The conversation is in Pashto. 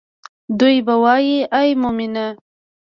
دوي به وائي اے مومنه!